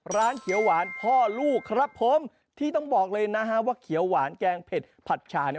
ร้านเขียวหวานพ่อลูกครับผมที่ต้องบอกเลยนะฮะว่าเขียวหวานแกงเผ็ดผัดชาเนี่ย